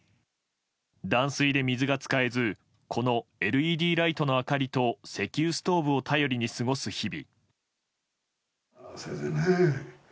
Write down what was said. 断水で水が使えずこのＬＥＤライトの明かりと石油ストーブを頼りに過ごす日々。